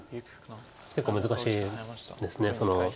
結構難しいです。